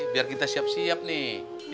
biar kita siap siap nih